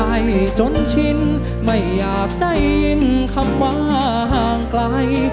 ให้จนชินไม่อยากได้ยินคำว่าห่างไกล